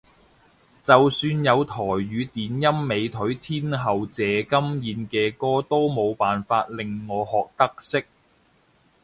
就算有台語電音美腿天后謝金燕嘅歌都冇辦法令我學得識